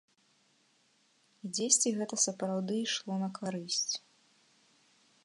І дзесьці гэта сапраўды ішло на карысць.